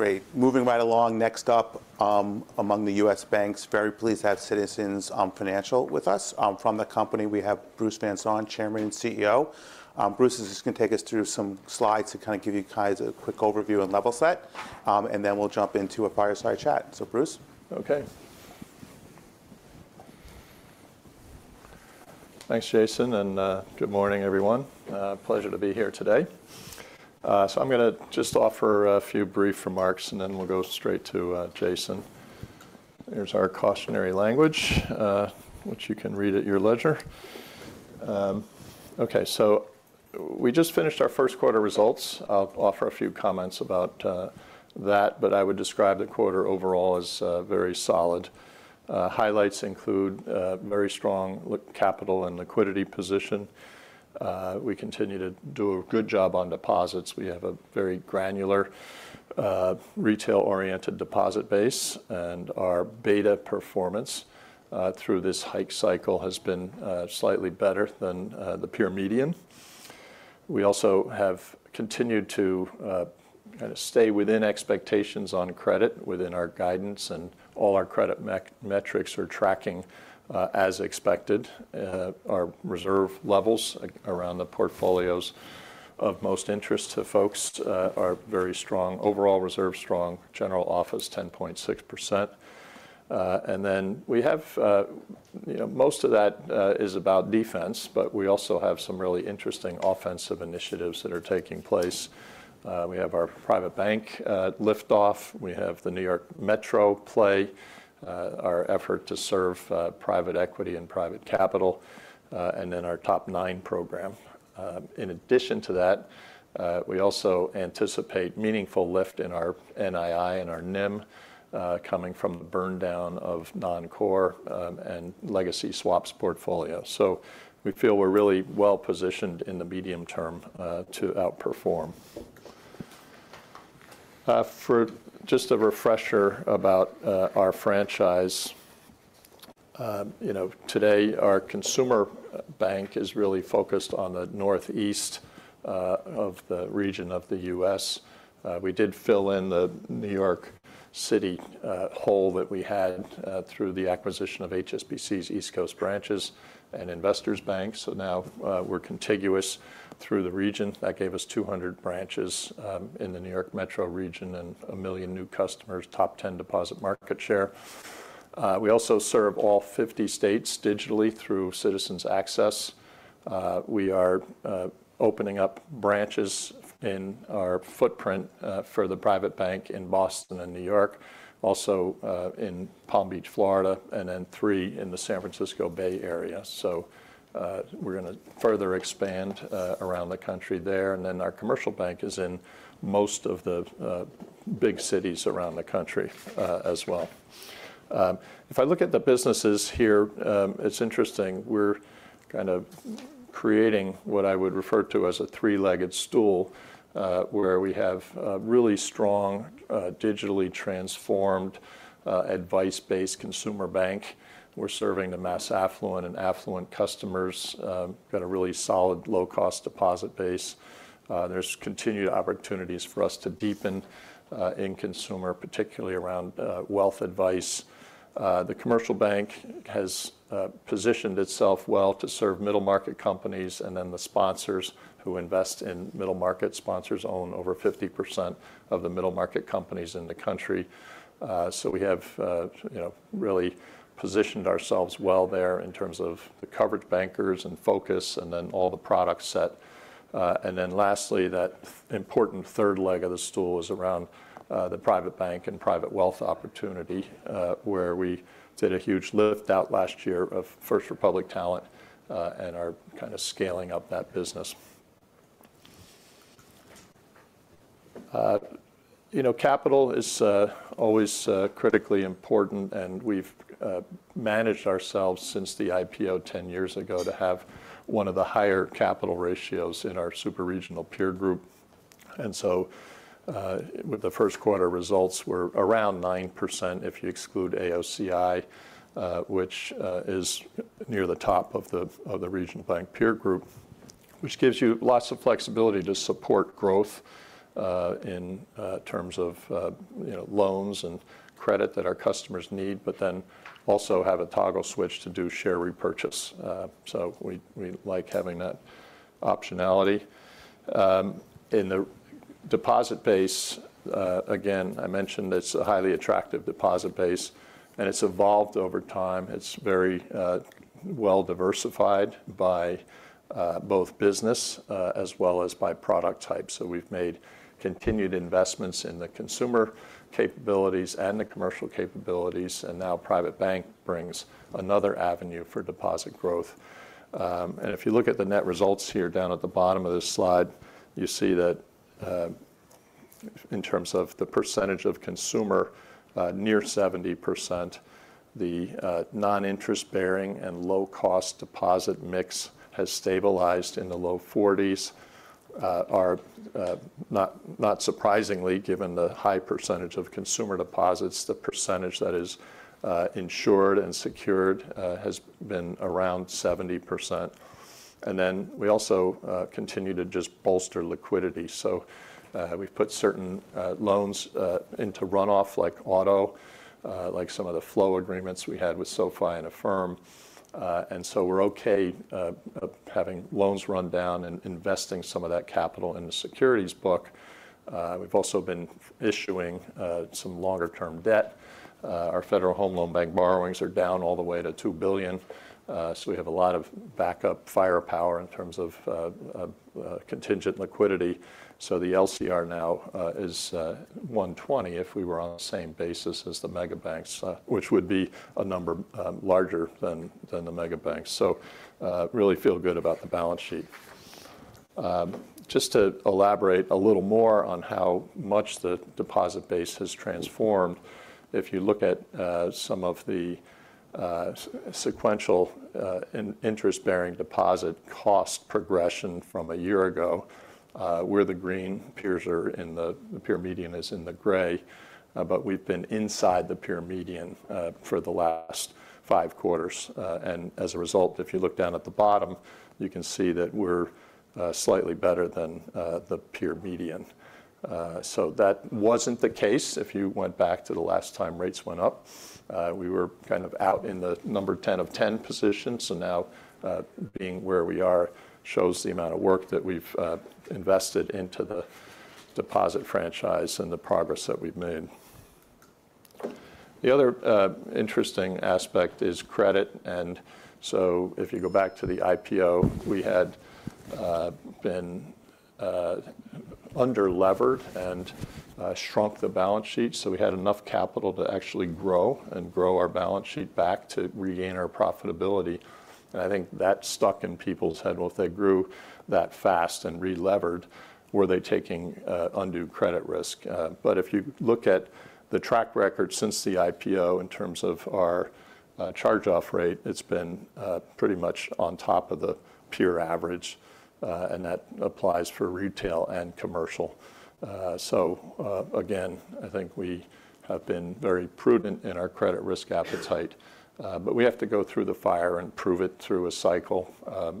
Great. Moving right along, next up, among the U.S. banks, very pleased to have Citizens Financial with us. From the company, we have Bruce Van Saun, Chairman and CEO. Bruce is just gonna take us through some slides to kinda give you guys a quick overview and level set, and then we'll jump into a fireside chat. So Bruce? Okay. Thanks, Jason, and good morning, everyone. Pleasure to be here today. So I'm gonna just offer a few brief remarks, and then we'll go straight to Jason. Here's our cautionary language, which you can read at your leisure. Okay, so we just finished our Q1 results. I'll offer a few comments about that, but I would describe the quarter overall as very solid. Highlights include very strong capital and liquidity position. We continue to do a good job on deposits. We have a very granular, retail-oriented deposit base, and our beta performance through this hike cycle has been slightly better than the peer median. We also have continued to kinda stay within expectations on credit within our guidance, and all our credit metrics are tracking as expected. Our reserve levels around the portfolios of most interest to folks are very strong. Overall reserves strong, General Office 10.6%. And then we have, you know, most of that, is about defense, but we also have some really interesting offensive initiatives that are taking place. We have our private bank liftoff. We have the New York Metro play, our effort to serve private equity and private capital, and then our TOP 9 program. In addition to that, we also anticipate meaningful lift in our NII and our NIM, coming from the burndown of non-core and legacy swaps portfolio. So we feel we're really well positioned in the medium term to outperform. For just a refresher about our franchise, you know, today our consumer bank is really focused on the Northeast of the region of the U.S. We did fill in the New York City hole that we had, through the acquisition of HSBC's East Coast branches and Investors Bank. So now, we're contiguous through the region. That gave us 200 branches in the New York Metro region and 1 million new customers, top 10 deposit market share. We also serve all 50 states digitally through Citizens Access. We are opening up branches in our footprint for the private bank in Boston and New York, also in Palm Beach, Florida, and then 3 in the San Francisco Bay Area. So, we're gonna further expand around the country there. And then our commercial bank is in most of the big cities around the country, as well. If I look at the businesses here, it's interesting. We're kind of creating what I would refer to as a three-legged stool, where we have a really strong digitally transformed advice-based consumer bank. We're serving the mass affluent and affluent customers, got a really solid low-cost deposit base. There's continued opportunities for us to deepen in consumer, particularly around wealth advice. The commercial bank has positioned itself well to serve middle-market companies, and then the sponsors who invest in middle-market sponsors own over 50% of the middle-market companies in the country. So we have, you know, really positioned ourselves well there in terms of the coverage bankers and focus and then all the product set. And then lastly, that important third leg of the stool is around the private bank and private wealth opportunity, where we did a huge lift out last year of First Republic talent, and are kinda scaling up that business. You know, capital is always critically important, and we've managed ourselves since the IPO 10 years ago to have one of the higher capital ratios in our superregional peer group. And so, with the Q1 results, we're around 9% if you exclude AOCI, which is near the top of the regional bank peer group, which gives you lots of flexibility to support growth, in terms of, you know, loans and credit that our customers need, but then also have a toggle switch to do share repurchase. So we like having that optionality. In the deposit base, again, I mentioned it's a highly attractive deposit base, and it's evolved over time. It's very well diversified by both business, as well as by product type. So we've made continued investments in the consumer capabilities and the commercial capabilities, and now private bank brings another avenue for deposit growth. If you look at the net results here down at the bottom of this slide, you see that, in terms of the percentage of consumer near 70%, the non-interest bearing and low-cost deposit mix has stabilized in the low 40s. Not surprisingly, given the high percentage of consumer deposits, the percentage that is insured and secured has been around 70%. And then we also continue to just bolster liquidity. So, we've put certain loans into runoff like auto, like some of the flow agreements we had with SoFi and Affirm. And so we're okay, having loans run down and investing some of that capital in the securities book. We've also been issuing some longer-term debt. Our Federal Home Loan Bank borrowings are down all the way to $2 billion. So we have a lot of backup firepower in terms of contingent liquidity. So the LCR now is 120 if we were on the same basis as the mega banks, which would be a number larger than the mega banks. So, really feel good about the balance sheet. Just to elaborate a little more on how much the deposit base has transformed, if you look at some of the sequential interest-bearing deposit cost progression from a year ago, where the green peers are in the peer median is in the gray, but we've been inside the peer median for the last five quarters. And as a result, if you look down at the bottom, you can see that we're slightly better than the peer median. So that wasn't the case if you went back to the last time rates went up. We were kind of out in the number 10 of 10 position, so now, being where we are shows the amount of work that we've invested into the deposit franchise and the progress that we've made. The other interesting aspect is credit. And so if you go back to the IPO, we had been under-levered and shrunk the balance sheet. So we had enough capital to actually grow and grow our balance sheet back to regain our profitability. And I think that stuck in people's heads. Well, if they grew that fast and re-levered, were they taking undue credit risk? But if you look at the track record since the IPO in terms of our charge-off rate, it's been pretty much on top of the peer average. And that applies for retail and commercial. So, again, I think we have been very prudent in our credit risk appetite. But we have to go through the fire and prove it through a cycle.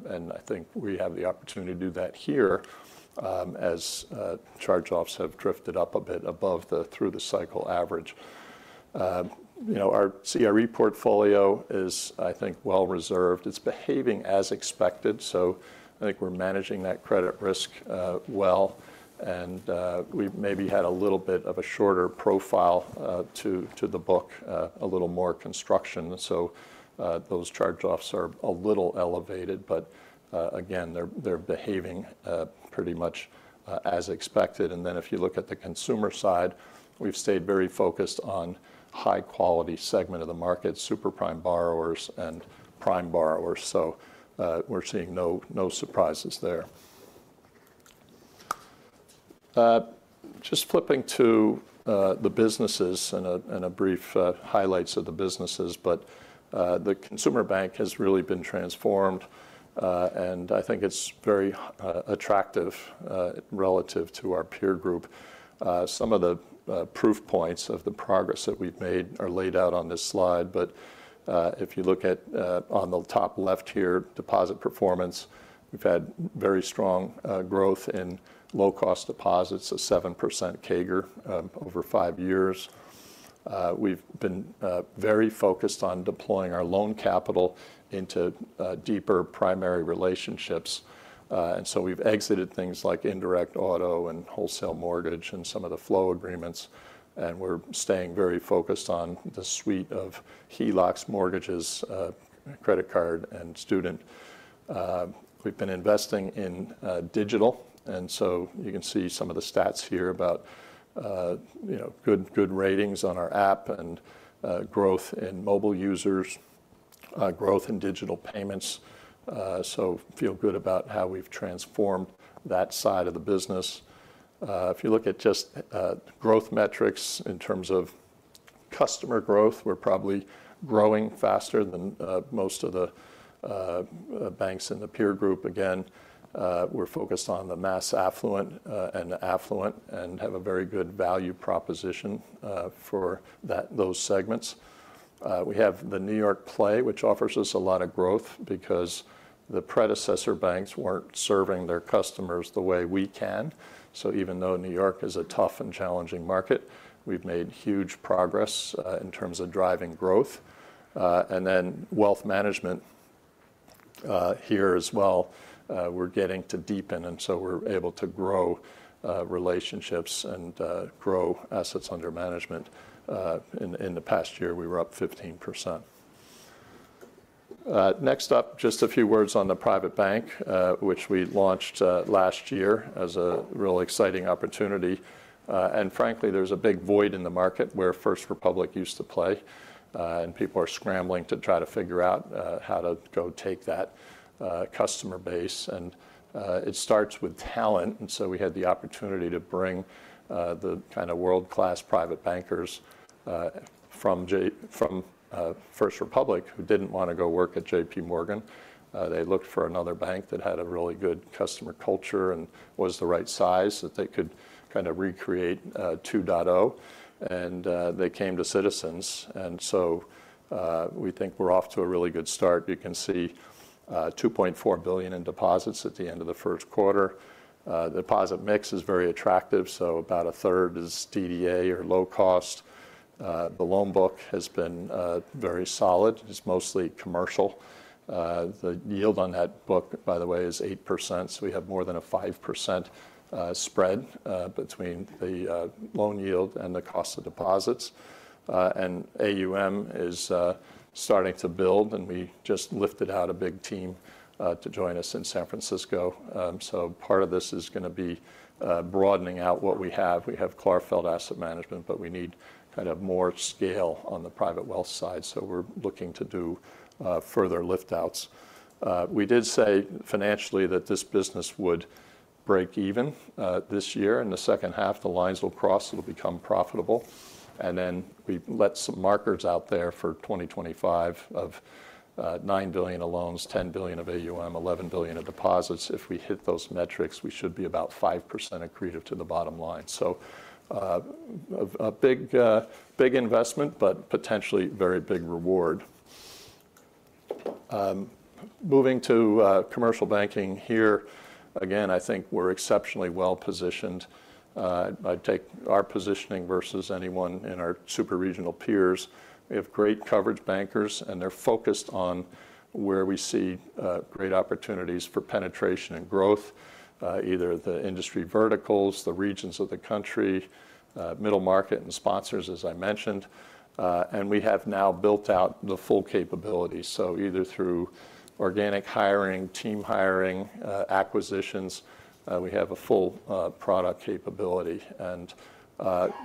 And I think we have the opportunity to do that here, as charge-offs have drifted up a bit above the through-the-cycle average. You know, our CRE portfolio is, I think, well reserved. It's behaving as expected. So I think we're managing that credit risk well. And we maybe had a little bit of a shorter profile to the book, a little more construction. So those charge-offs are a little elevated, but again, they're behaving pretty much as expected. And then if you look at the consumer side, we've stayed very focused on high-quality segment of the market, superprime borrowers and prime borrowers. So we're seeing no surprises there. Just flipping to the businesses and a brief highlights of the businesses. But the consumer bank has really been transformed, and I think it's very attractive relative to our peer group. Some of the proof points of the progress that we've made are laid out on this slide. But if you look at on the top left here, deposit performance, we've had very strong growth in low-cost deposits, a 7% CAGR over five years. We've been very focused on deploying our loan capital into deeper primary relationships. And so we've exited things like indirect auto and wholesale mortgage and some of the flow agreements, and we're staying very focused on the suite of HELOCs mortgages, credit card and student. We've been investing in digital. And so you can see some of the stats here about you know good ratings on our app and growth in mobile users, growth in digital payments. So feel good about how we've transformed that side of the business. If you look at just growth metrics in terms of customer growth, we're probably growing faster than most of the banks in the peer group. Again, we're focused on the mass affluent and the affluent and have a very good value proposition for those segments. We have the New York play, which offers us a lot of growth because the predecessor banks weren't serving their customers the way we can. So even though New York is a tough and challenging market, we've made huge progress in terms of driving growth. And then wealth management here as well, we're getting to deepen, and so we're able to grow relationships and grow assets under management. In the past year, we were up 15%. Next up, just a few words on the private bank, which we launched last year as a real exciting opportunity. And frankly, there's a big void in the market where First Republic used to play, and people are scrambling to try to figure out how to go take that customer base. And it starts with talent. And so we had the opportunity to bring the kind of world-class private bankers from First Republic who didn't want to go work at JPMorgan. They looked for another bank that had a really good customer culture and was the right size that they could kind of recreate 2.0. And they came to Citizens. And so we think we're off to a really good start. You can see $2.4 billion in deposits at the end of the Q1. Deposit mix is very attractive. So about a third is DDA or low-cost. The loan book has been very solid. It's mostly commercial. The yield on that book, by the way, is 8%. So we have more than a 5% spread between the loan yield and the cost of deposits. And AUM is starting to build, and we just lifted out a big team to join us in San Francisco. So part of this is going to be broadening out what we have. We have Clarfeld Asset Management, but we need kind of more scale on the private wealth side. So we're looking to do further liftouts. We did say financially that this business would break even this year. In the H2, the lines will cross. It'll become profitable. And then we let some markers out there for 2025 of $9 billion of loans, $10 billion of AUM, $11 billion of deposits. If we hit those metrics, we should be about 5% accretive to the bottom line. So, a big, big investment, but potentially very big reward. Moving to commercial banking here, again, I think we're exceptionally well positioned. I'd take our positioning versus anyone in our superregional peers. We have great coverage bankers, and they're focused on where we see great opportunities for penetration and growth, either the industry verticals, the regions of the country, middle market and sponsors, as I mentioned. And we have now built out the full capability. So either through organic hiring, team hiring, acquisitions, we have a full product capability. And,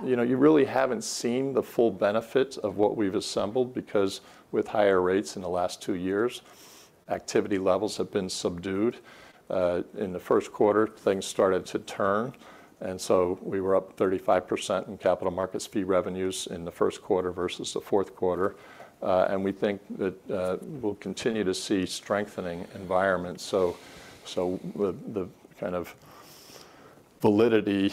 you know, you really haven't seen the full benefit of what we've assembled because with higher rates in the last two years, activity levels have been subdued. In the Q1, things started to turn. And so we were up 35% in capital markets fee revenues in the Q1 versus the Q4. And we think that we'll continue to see strengthening environments. So the kind of validity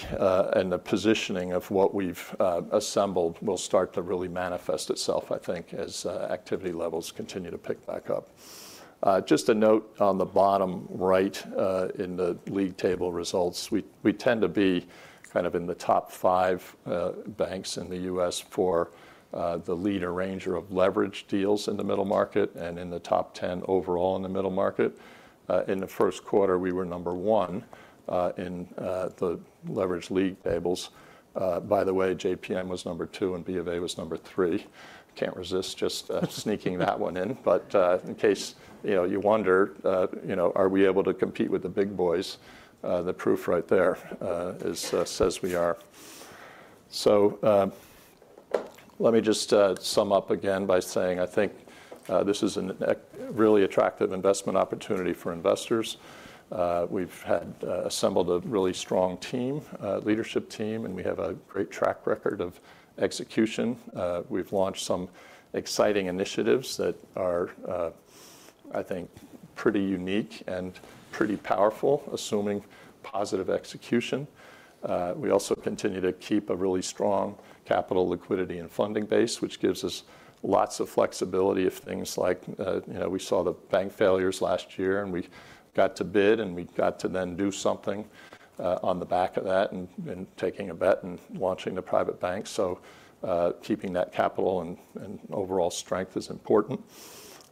and the positioning of what we've assembled will start to really manifest itself, I think, as activity levels continue to pick back up. Just a note on the bottom right, in the league table results, we tend to be kind of in the top 5 banks in the U.S. for the lead arranger of leverage deals in the middle market and in the TOP 10 overall in the middle market. In the Q1, we were number 1 in the leverage league tables. By the way, JPM was number 2, and B of A was number 3. Can't resist just sneaking that one in. But in case, you know, you wonder, you know, are we able to compete with the big boys? The proof right there is, says we are. So let me just sum up again by saying I think this is a really attractive investment opportunity for investors. We've assembled a really strong team, leadership team, and we have a great track record of execution. We've launched some exciting initiatives that are, I think, pretty unique and pretty powerful, assuming positive execution. We also continue to keep a really strong capital, liquidity and funding base, which gives us lots of flexibility if things like, you know, we saw the bank failures last year, and we got to bid, and we got to then do something on the back of that and taking a bet and launching the private bank. So keeping that capital and overall strength is important.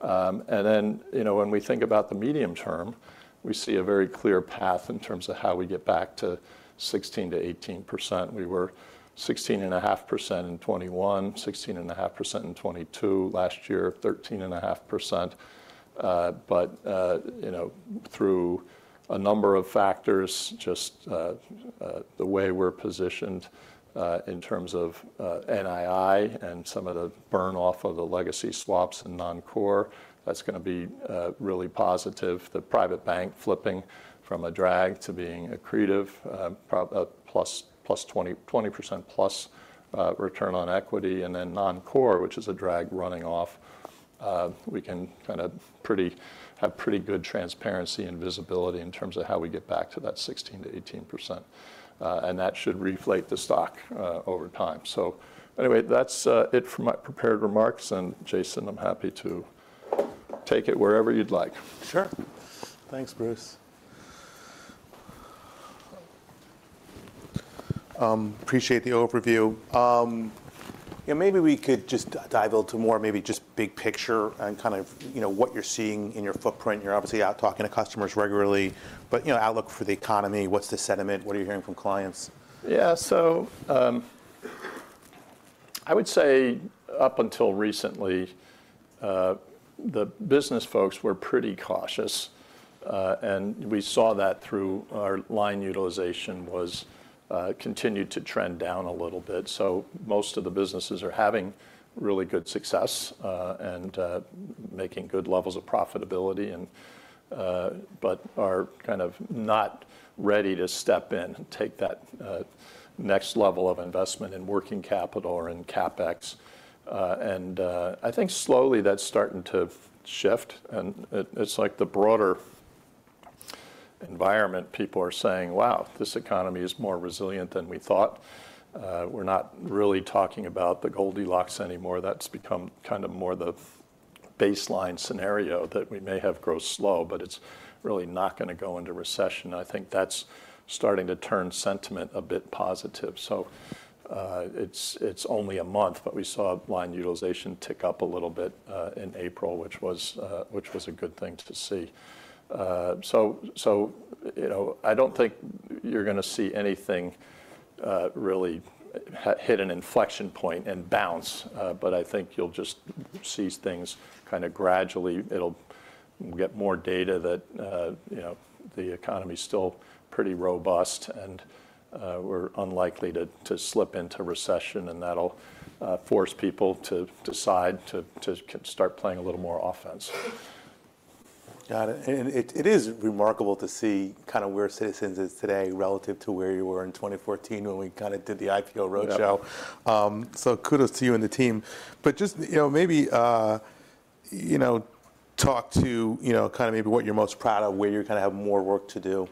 And then, you know, when we think about the medium term, we see a very clear path in terms of how we get back to 16%-18%. We were 16.5% in 2021, 16.5% in 2022 last year, 13.5%. But, you know, through a number of factors, just, the way we're positioned, in terms of, NII and some of the burn-off of the legacy swaps and non-core, that's going to be, really positive. The private bank flipping from a drag to being accretive, 20%+, return on equity. And then non-core, which is a drag running off, we can kind of pretty have pretty good transparency and visibility in terms of how we get back to that 16%-18%. And that should reflate the stock, over time. So anyway, that's it for my prepared remarks. And Jason, I'm happy to take it wherever you'd like. Sure. Thanks, Bruce. Appreciate the overview. You know, maybe we could just dive into more, maybe just big picture and kind of, you know, what you're seeing in your footprint. You're obviously out talking to customers regularly, but, you know, outlook for the economy. What's the sentiment? What are you hearing from clients? Yeah. So, I would say up until recently, the business folks were pretty cautious. We saw that through our line utilization continued to trend down a little bit. So most of the businesses are having really good success and making good levels of profitability, but are kind of not ready to step in and take that next level of investment in working capital or in CapEx. I think slowly that's starting to shift. And it's like the broader environment, people are saying, "Wow, this economy is more resilient than we thought." We're not really talking about the Goldilocks anymore. That's become kind of more the baseline scenario that we may have growth slow, but it's really not going to go into recession. I think that's starting to turn sentiment a bit positive. So, it's only a month, but we saw line utilization tick up a little bit, in April, which was a good thing to see. So, you know, I don't think you're going to see anything really has hit an inflection point and bounce. But I think you'll just see things kind of gradually. It'll get more data that, you know, the economy's still pretty robust and, we're unlikely to slip into recession. And that'll force people to decide to start playing a little more offense. Got it. It is remarkable to see kind of where Citizens is today relative to where you were in 2014 when we kind of did the IPO roadshow. So kudos to you and the team. But just, you know, maybe, you know, talk to, you know, kind of maybe what you're most proud of, where you kind of have more work to do.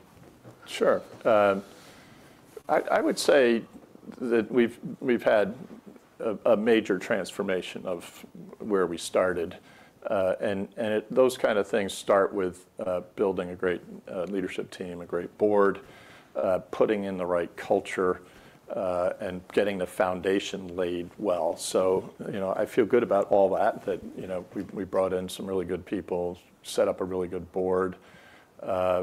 Sure. I would say that we've had a major transformation of where we started. Those kind of things start with building a great leadership team, a great board, putting in the right culture, and getting the foundation laid well. So, you know, I feel good about all that, you know, we brought in some really good people, set up a really good board.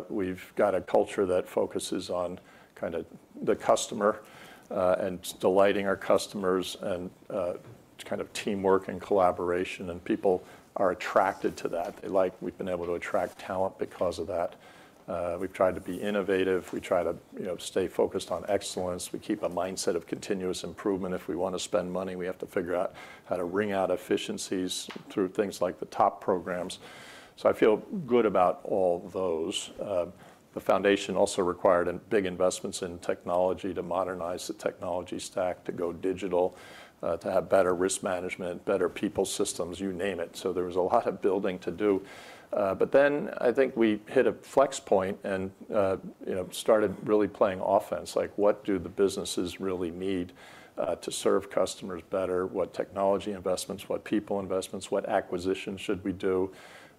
We've got a culture that focuses on kind of the customer, and delighting our customers and kind of teamwork and collaboration. And people are attracted to that. They like, we've been able to attract talent because of that. We've tried to be innovative. We try to, you know, stay focused on excellence. We keep a mindset of continuous improvement. If we want to spend money, we have to figure out how to wring out efficiencies through things like the TOP programs. So I feel good about all those. The foundation also required big investments in technology to modernize the technology stack, to go digital, to have better risk management, better people systems, you name it. So there was a lot of building to do. But then I think we hit an inflection point and, you know, started really playing offense. Like, what do the businesses really need, to serve customers better? What technology investments, what people investments, what acquisitions should we do?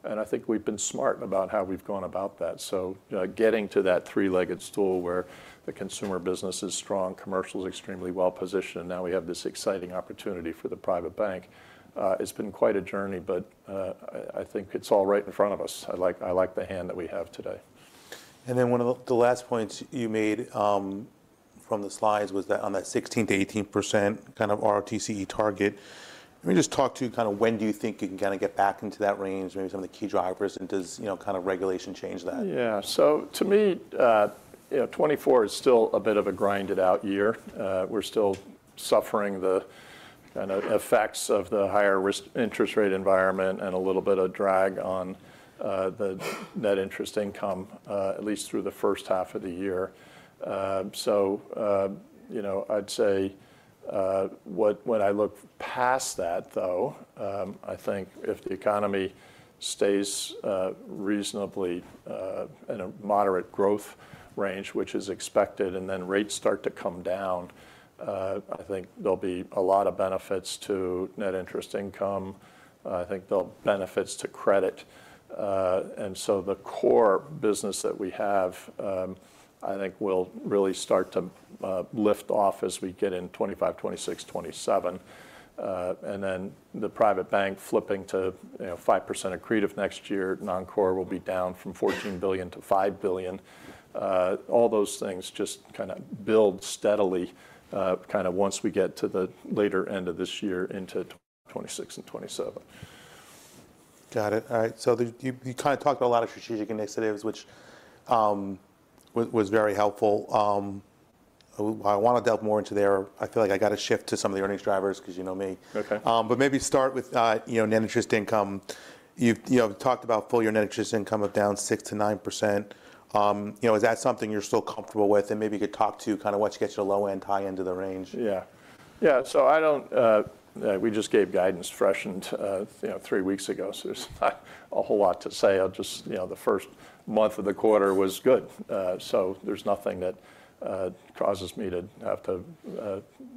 And I think we've been smart about how we've gone about that. So, getting to that three-legged stool where the consumer business is strong, commercial is extremely well positioned, and now we have this exciting opportunity for the private bank, it's been quite a journey, but, I, I think it's all right in front of us. I like I like the hand that we have today. And then one of the last points you made, from the slides, was that on that 16%-18% kind of ROTCE target. Let me just talk to kind of when do you think you can kind of get back into that range, maybe some of the key drivers, and does, you know, kind of regulation change that? Yeah. So to me, you know, 2024 is still a bit of a grinded-out year. We're still suffering the kind of effects of the higher risk interest rate environment and a little bit of drag on the net interest income, at least through the H1 of the year. So, you know, I'd say, what when I look past that, though, I think if the economy stays reasonably in a moderate growth range, which is expected, and then rates start to come down, I think there'll be a lot of benefits to net interest income. I think there'll benefits to credit. And so the core business that we have, I think will really start to lift off as we get in 2025, 2026, 2027. And then the private bank flipping to, you know, 5% accretive next year, non-core will be down from $14 billion to $5 billion. All those things just kind of build steadily, kind of once we get to the later end of this year into 2026 and 2027. Got it. All right. So you kind of talked about a lot of strategic initiatives, which was very helpful. I want to delve more into there. I feel like I got to shift to some of the earnings drivers because you know me. Okay. But maybe start with, you know, net interest income. You've, you know, talked about full year net interest income of down 6%-9%. You know, is that something you're still comfortable with and maybe could talk to kind of what's getting you to the low end, high end of the range? Yeah. Yeah. So I don't, we just gave guidance, freshened, you know, three weeks ago. So there's not a whole lot to say. I'll just, you know, the first month of the quarter was good. So there's nothing that causes me to have to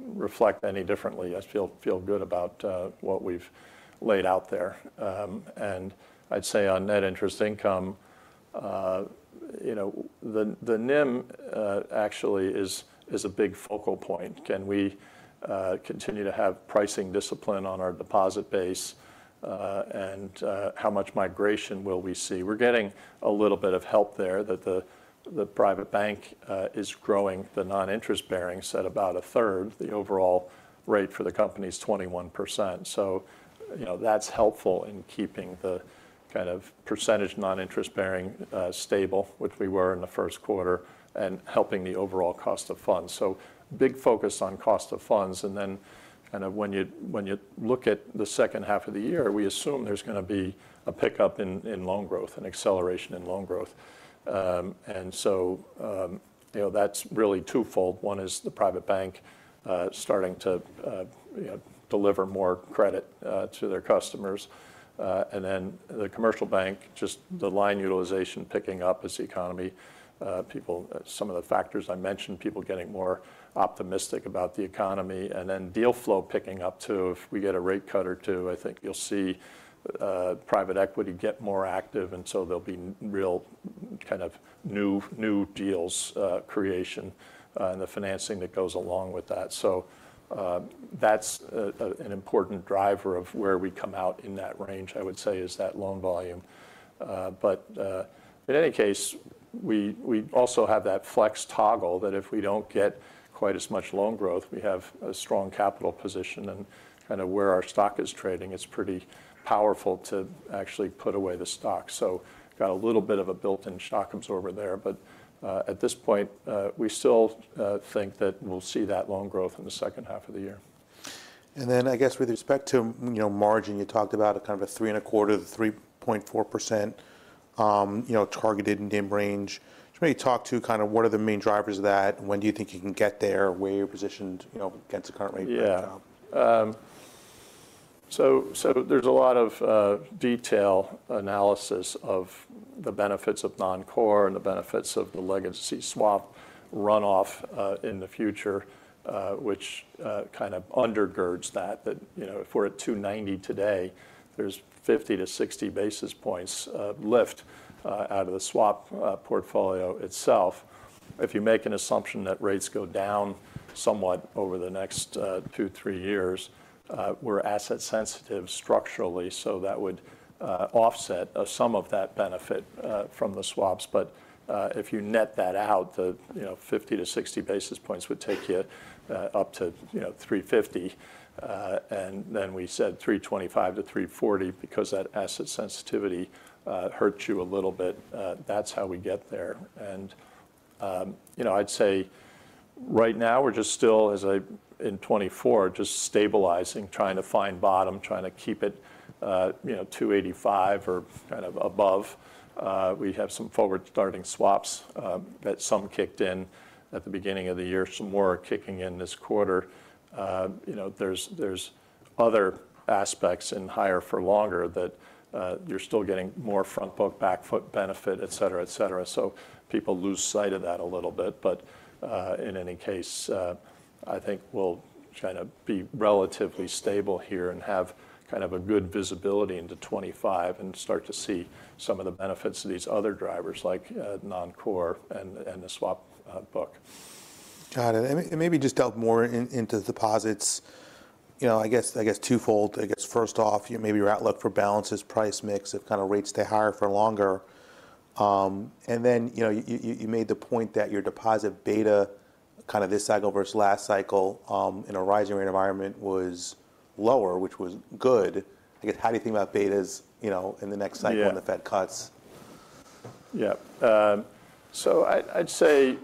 reflect any differently. I feel good about what we've laid out there. I'd say on net interest income, you know, the NIM actually is a big focal point. Can we continue to have pricing discipline on our deposit base, and how much migration will we see? We're getting a little bit of help there that the private bank is growing the non-interest bearing set about a third. The overall rate for the company's 21%. So, you know, that's helpful in keeping the kind of percentage non-interest bearing, stable, which we were in the Q1, and helping the overall cost of funds. So big focus on cost of funds. And then kind of when you look at the H2 of the year, we assume there's going to be a pickup in loan growth, an acceleration in loan growth. And so, you know, that's really twofold. One is the private bank, starting to, you know, deliver more credit to their customers. And then the commercial bank, just the line utilization picking up as the economy, people some of the factors I mentioned, people getting more optimistic about the economy, and then deal flow picking up too. If we get a rate cut or two, I think you'll see private equity get more active. And so there'll be real kind of new, new deals, creation, and the financing that goes along with that. So, that's an important driver of where we come out in that range, I would say, is that loan volume. But, in any case, we also have that flex toggle that if we don't get quite as much loan growth, we have a strong capital position. And kind of where our stock is trading, it's pretty powerful to actually put away the stock. So got a little bit of a built-in cushion over there. But, at this point, we still think that we'll see that loan growth in the H2 of the year. Then I guess with respect to, you know, margin, you talked about a kind of a 3.25%-3.4%, you know, targeted NIM range. Just maybe talk to kind of what are the main drivers of that and when do you think you can get there, where you're positioned, you know, against the current rate backdrop. Yeah. So there's a lot of detailed analysis of the benefits of non-core and the benefits of the legacy swap runoff in the future, which kind of undergirds that, you know, if we're at 290 today, there's 50-60 basis points lift out of the swap portfolio itself. If you make an assumption that rates go down somewhat over the next 2-3 years, we're asset-sensitive structurally. So that would offset some of that benefit from the swaps. But if you net that out, you know, the 50-60 basis points would take you up to, you know, 350. And then we said 325-340 because that asset sensitivity hurts you a little bit. That's how we get there. You know, I'd say right now we're just still, as I in 2024, just stabilizing, trying to find bottom, trying to keep it, you know, 285 or kind of above. We have some forward starting swaps, that some kicked in at the beginning of the year, some more are kicking in this quarter. You know, there's, there's other aspects in higher for longer that, you're still getting more front foot, back foot benefit, etc., etc. So people lose sight of that a little bit. But, in any case, I think we'll kind of be relatively stable here and have kind of a good visibility into 2025 and start to see some of the benefits of these other drivers like, non-core and, and the swap, book. Got it. Maybe just delve more into deposits. You know, I guess twofold. I guess first off, maybe your outlook for balances, price mix if kind of rates stay higher for longer. And then, you know, you made the point that your deposit beta, kind of this cycle versus last cycle, in a rising rate environment was lower, which was good. I guess how do you think about betas, you know, in the next cycle when the Fed cuts? Yeah. Yep. So I, I'd say,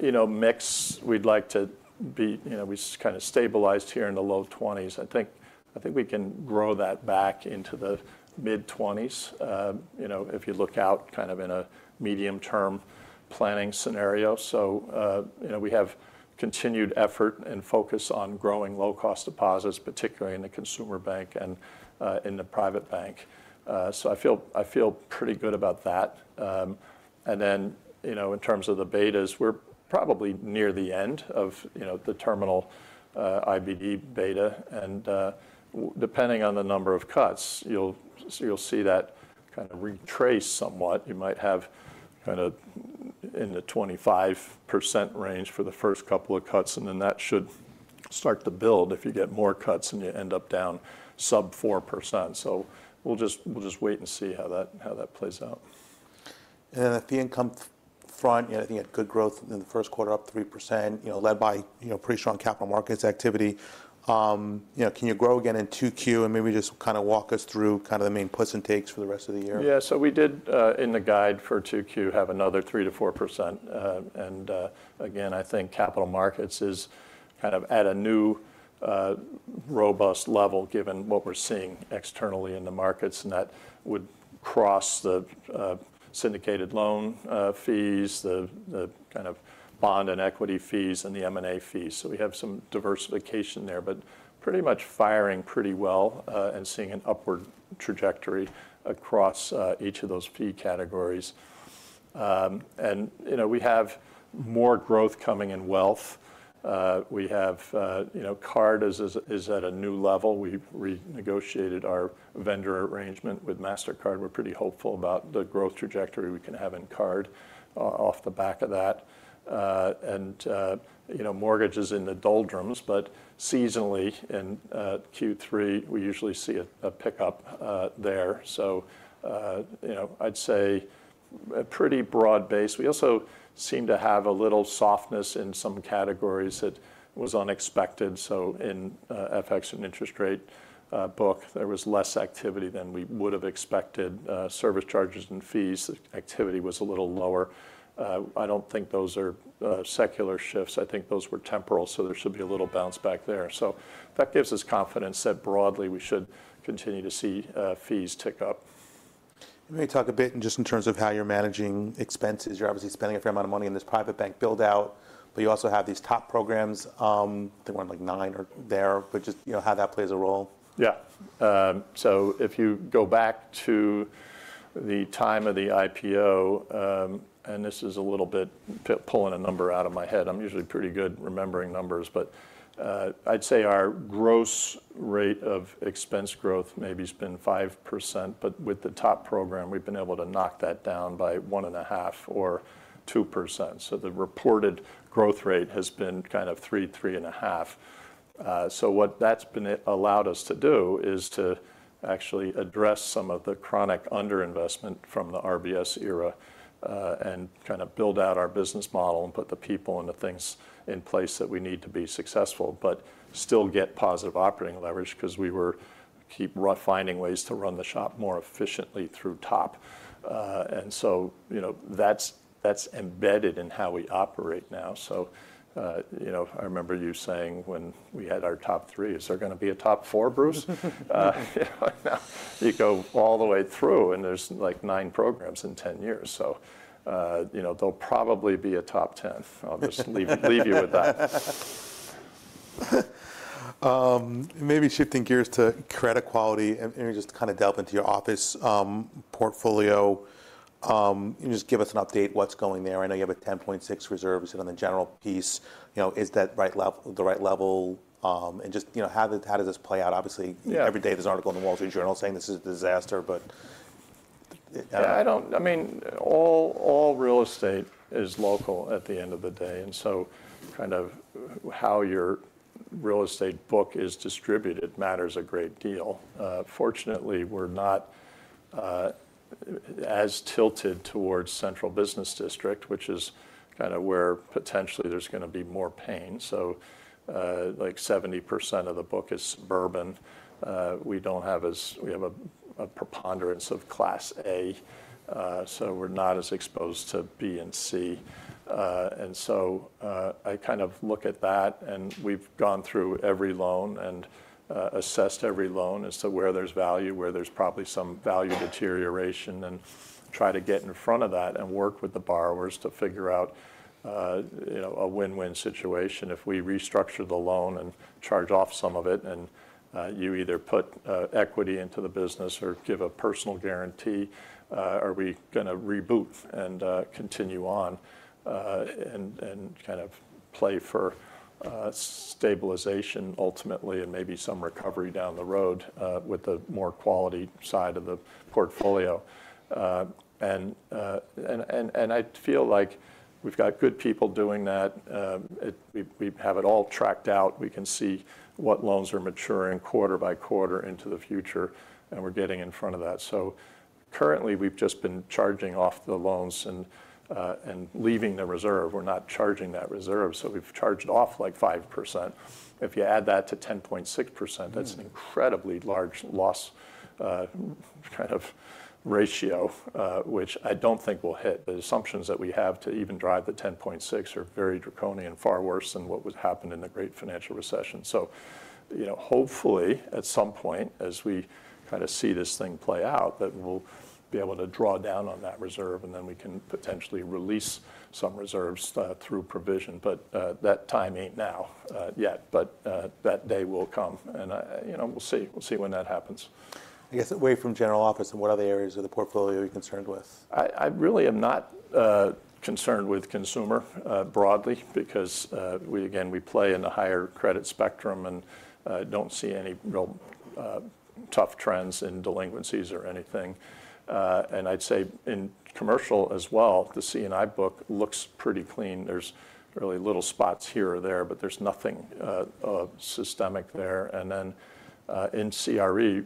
you know, NIM, we'd like to be, you know, we just kind of stabilized here in the low 20s. I think, I think we can grow that back into the mid 20s, you know, if you look out kind of in a medium-term planning scenario. So, you know, we have continued effort and focus on growing low-cost deposits, particularly in the consumer bank and, in the private bank. So I feel, I feel pretty good about that. And then, you know, in terms of the betas, we're probably near the end of, you know, the terminal, IBD beta. And, depending on the number of cuts, you'll, you'll see that kind of retrace somewhat. You might have kind of in the 25% range for the first couple of cuts. Then that should start to build if you get more cuts and you end up down sub 4%. We'll just wait and see how that plays out. And then at the income front, you know, I think you had good growth in the Q1, up 3%, you know, led by, you know, pretty strong capital markets activity. You know, can you grow again in 2Q and maybe just kind of walk us through kind of the main puts and takes for the rest of the year? Yeah. So we did, in the guide for 2Q, have another 3%-4%. And, again, I think capital markets is kind of at a new, robust level given what we're seeing externally in the markets. And that would cross the syndicated loan fees, the kind of bond and equity fees, and the M&A fees. So we have some diversification there, but pretty much firing pretty well, and seeing an upward trajectory across each of those fee categories. And, you know, we have more growth coming in wealth. We have, you know, card is at a new level. We renegotiated our vendor arrangement with Mastercard. We're pretty hopeful about the growth trajectory we can have in card, off the back of that. And, you know, mortgage is in the doldrums, but seasonally in Q3, we usually see a pickup there. So, you know, I'd say a pretty broad base. We also seem to have a little softness in some categories that was unexpected. So in FX and interest rate book, there was less activity than we would have expected. Service charges and fees, the activity was a little lower. I don't think those are secular shifts. I think those were temporal. So there should be a little bounce back there. So that gives us confidence that broadly we should continue to see fees tick up. You may talk a bit just in terms of how you're managing expenses. You're obviously spending a fair amount of money in this private bank buildout, but you also have these TOP programs. I think we're on like nine or ten, but just, you know, how that plays a role. Yeah. So if you go back to the time of the IPO, and this is a little bit pulling a number out of my head. I'm usually pretty good remembering numbers. But, I'd say our gross rate of expense growth maybe has been 5%, but with the TOP programs, we've been able to knock that down by 1.5% or 2%. So the reported growth rate has been kind of 3%-3.5%. So what that's been allowed us to do is to actually address some of the chronic underinvestment from the RBS era, and kind of build out our business model and put the people and the things in place that we need to be successful, but still get positive operating leverage because we were keep finding ways to run the shop more efficiently through top. And so, you know, that's, that's embedded in how we operate now. So, you know, I remember you saying when we had our TOP 3, "Is there going to be a TOP 4, Bruce?" you know, you go all the way through and there's like 9 programs in 10 years. So, you know, there'll probably be a TOP 10. I'll just leave you with that. Maybe shifting gears to credit quality and just kind of delve into your office portfolio. You just give us an update, what's going there? I know you have a 10.6 reserve, you said on the CRE piece. You know, is that right level, the right level? And just, you know, how does, how does this play out? Obviously, every day there's an article in The Wall Street Journal saying this is a disaster, but. Yeah. I don't, I mean, all, all real estate is local at the end of the day. And so kind of how your real estate book is distributed matters a great deal. Fortunately, we're not as tilted towards Central Business District, which is kind of where potentially there's going to be more pain. So, like 70% of the book is urban. We don't have as we have a, a preponderance of Class A. So we're not as exposed to B and C. And so, I kind of look at that and we've gone through every loan and assessed every loan as to where there's value, where there's probably some value deterioration, and try to get in front of that and work with the borrowers to figure out, you know, a win-win situation. If we restructure the loan and charge off some of it and you either put equity into the business or give a personal guarantee, are we going to reboot and continue on and kind of play for stabilization ultimately and maybe some recovery down the road with the more quality side of the portfolio? I feel like we've got good people doing that. We have it all tracked out. We can see what loans are maturing quarter by quarter into the future and we're getting in front of that. So currently we've just been charging off the loans and leaving the reserve. We're not charging that reserve. So we've charged off like 5%. If you add that to 10.6%, that's an incredibly large loss kind of ratio, which I don't think we'll hit. The assumptions that we have to even drive the 10.6% are very draconian, far worse than what would happen in the Great Financial Recession. So, you know, hopefully at some point as we kind of see this thing play out, that we'll be able to draw down on that reserve and then we can potentially release some reserves, through provision. But, that time ain't now, yet. But, that day will come. And I, you know, we'll see. We'll see when that happens. I guess away from General Office and what other areas of the portfolio are you concerned with? I really am not concerned with consumer broadly because we again we play in the higher credit spectrum and don't see any real tough trends in delinquencies or anything. And I'd say in commercial as well, the C&I book looks pretty clean. There's really little spots here or there, but there's nothing systemic there. And then in CRE,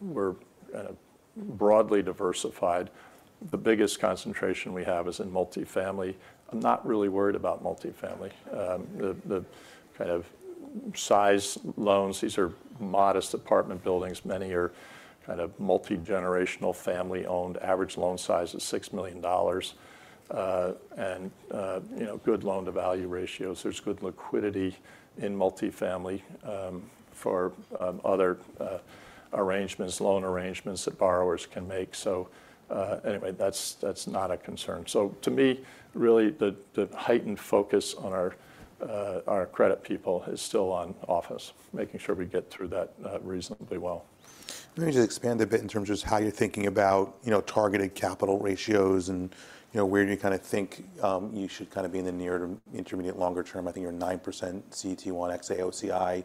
we're kind of broadly diversified. The biggest concentration we have is in multifamily. I'm not really worried about multifamily. The kind of size loans, these are modest apartment buildings. Many are kind of multi-generational family-owned. Average loan size is $6 million. And you know, good loan-to-value ratios. There's good liquidity in multifamily for other arrangements, loan arrangements that borrowers can make. So anyway, that's not a concern. So to me, really the heightened focus on our credit people is still on office, making sure we get through that, reasonably well. Maybe just expand a bit in terms of just how you're thinking about, you know, targeted capital ratios and, you know, where do you kind of think you should kind of be in the near- to intermediate- to longer term. I think you're 9% CET1 xAOCI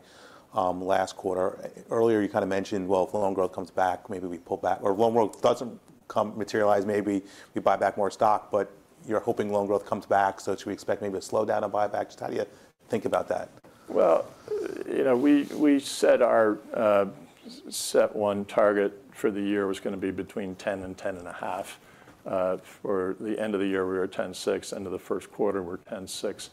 last quarter. Earlier you kind of mentioned, well, if loan growth comes back, maybe we pull back or loan growth doesn't materialize, maybe we buy back more stock, but you're hoping loan growth comes back. So should we expect maybe a slowdown in buyback? Just how do you think about that? Well, you know, we set one target for the year was going to be between 10%-10.5%. For the end of the year, we were at 10.6%. End of the Q1, we're 10.6%.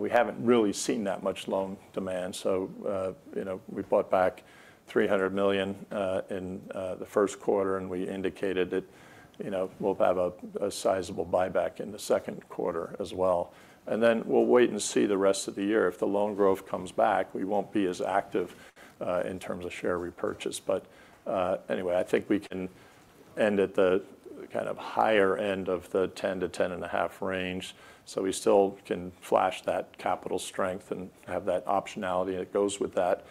We haven't really seen that much loan demand. So, you know, we bought back $300 million in the Q1 and we indicated that, you know, we'll have a sizable buyback in the Q2 as well. And then we'll wait and see the rest of the year. If the loan growth comes back, we won't be as active in terms of share repurchase. But, anyway, I think we can end at the kind of higher end of the 10%-10.5% range. We still can flash that capital strength and have that optionality and it goes with that,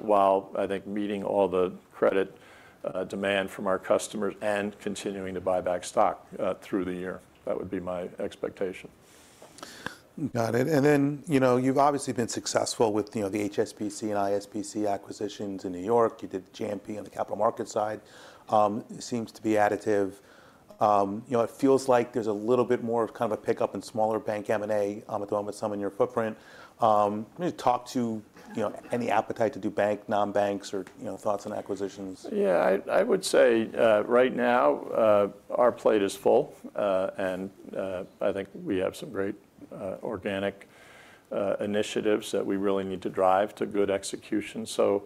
while I think meeting all the credit demand from our customers and continuing to buy back stock through the year. That would be my expectation. Got it. And then, you know, you've obviously been successful with, you know, the HSBC and ISBC acquisitions in New York. You did JMP on the capital market side. Seems to be additive. You know, it feels like there's a little bit more of kind of a pickup in smaller bank M&A at the moment, some in your footprint. Maybe talk to, you know, any appetite to do bank, non-banks, or, you know, thoughts on acquisitions. Yeah. I would say, right now, our plate is full. I think we have some great, organic, initiatives that we really need to drive to good execution. So,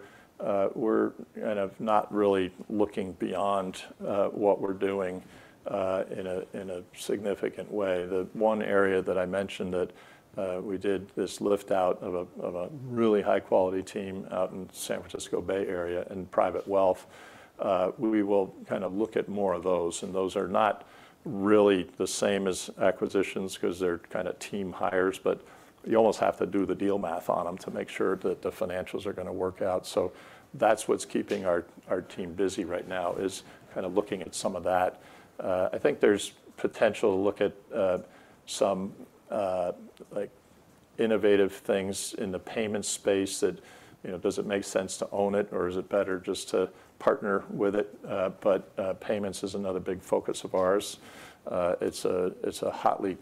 we're kind of not really looking beyond what we're doing in a significant way. The one area that I mentioned that we did this liftout of a really high-quality team out in San Francisco Bay Area and private wealth, we will kind of look at more of those. Those are not really the same as acquisitions because they're kind of team hires, but you almost have to do the deal math on them to make sure that the financials are going to work out. So that's what's keeping our team busy right now is kind of looking at some of that. I think there's potential to look at some like innovative things in the payments space that, you know, does it make sense to own it or is it better just to partner with it? Payments is another big focus of ours. It's a hotly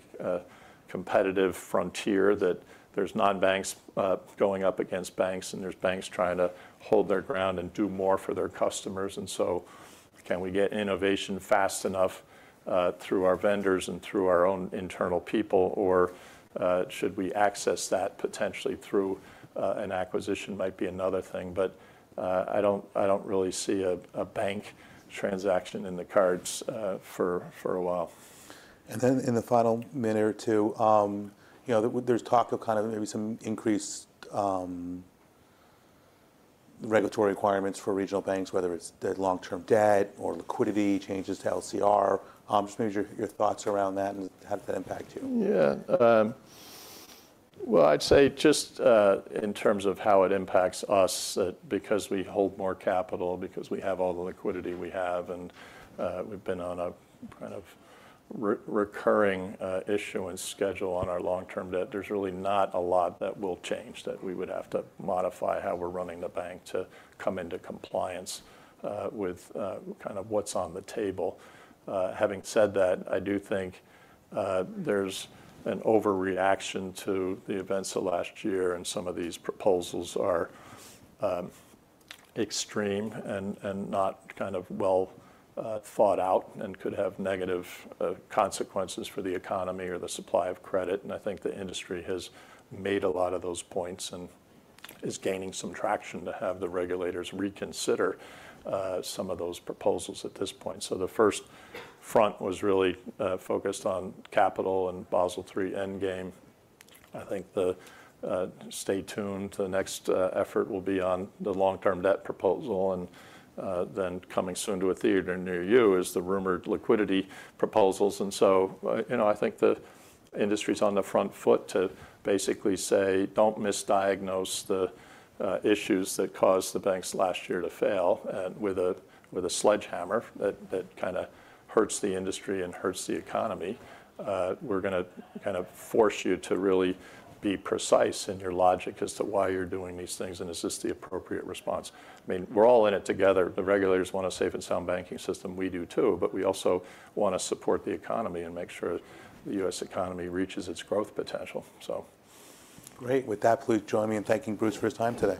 competitive frontier that there's non-banks going up against banks and there's banks trying to hold their ground and do more for their customers. And so can we get innovation fast enough through our vendors and through our own internal people or should we access that potentially through an acquisition? Might be another thing. But I don't really see a bank transaction in the cards for a while. Then in the final minute or two, you know, there's talk of kind of maybe some increased regulatory requirements for regional banks, whether it's the long-term debt or liquidity changes to LCR. Just maybe your thoughts around that and how does that impact you? Yeah. Well, I'd say just, in terms of how it impacts us, because we hold more capital, because we have all the liquidity we have and, we've been on a kind of re-recurring, issuance schedule on our long-term debt, there's really not a lot that will change that we would have to modify how we're running the bank to come into compliance, with, kind of what's on the table. Having said that, I do think, there's an overreaction to the events of last year and some of these proposals are, extreme and, and not kind of well, thought out and could have negative, consequences for the economy or the supply of credit. And I think the industry has made a lot of those points and is gaining some traction to have the regulators reconsider, some of those proposals at this point. So the first front was really focused on capital and Basel III endgame. I think the stay tuned. The next effort will be on the long-term debt proposal and then coming soon to a theater near you is the rumored liquidity proposals. And so, you know, I think the industry is on the front foot to basically say, "Don't misdiagnose the issues that caused the banks last year to fail and with a sledgehammer that kind of hurts the industry and hurts the economy." We're going to kind of force you to really be precise in your logic as to why you're doing these things and is this the appropriate response. I mean, we're all in it together. The regulators want a safe and sound banking system. We do too, but we also want to support the economy and make sure the US economy reaches its growth potential. So. Great. With that, please join me in thanking Bruce for his time today.